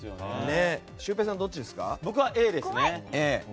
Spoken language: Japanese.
僕はＡですね。